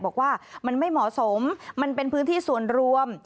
บอกว่ามันไม่เหมาะสมมันเป็นพื้นที่ส่วนรวม